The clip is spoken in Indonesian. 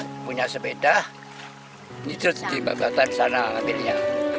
kalau punya sepeda dia harus di bangkatan sana ambil air